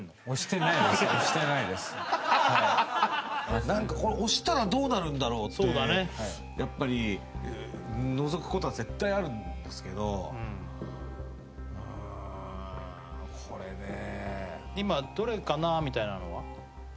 押してないですなんかこれ押したらどうなるんだろうってやっぱりのぞくことは絶対あるんですけどうーんこれね今どれかなみたいなのは？